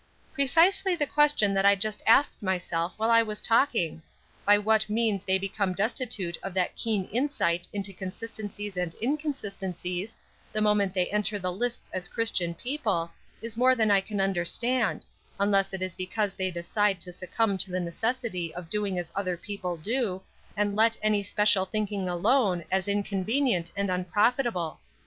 "Precisely the question that I just asked myself while I was talking. By what means they become destitute of that keen insight into consistencies and inconsistencies, the moment they enter the lists as Christian people, is more than I can understand, unless it is because they decide to succumb to the necessity of doing as other people do, and let any special thinking alone as inconvenient and unprofitable.